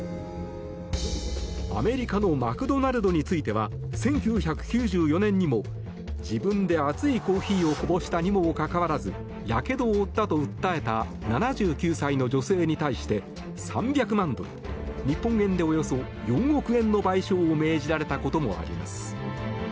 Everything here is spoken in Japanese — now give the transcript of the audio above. アメリカのマクドナルドについては１９９４年にも自分で熱いコーヒーをこぼしたにもかかわらずやけどを負ったと訴えた７９歳の女性に対して３００万ドル日本円でおよそ４億円の賠償を命じられたこともあります。